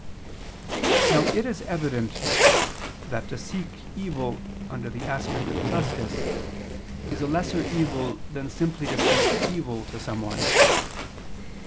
Now it is evident that to seek evil under the aspect of justice, is a lesser evil, than simply to seek evil to someone.